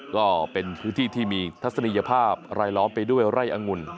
ก็เป็นพื้นที่ที่มีทัศนียภาพรายล้อมไปด้วยไร่อังุ่น